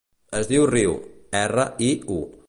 Es diu Riu: erra, i, u.